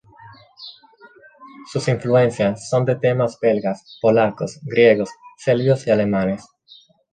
Sus influencias son de temas belgas, polacos, griegos, serbios y alemanes.